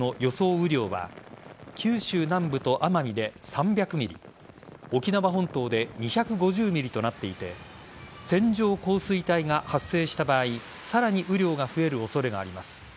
雨量は九州南部と奄美で３００ｍｍ沖縄本島で２５０ｍｍとなっていて線状降水帯が発生した場合さらに雨量が増える恐れがあります。